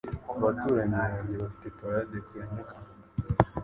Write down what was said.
Abaturanyi banjye bafite parade ku ya Nyakanga.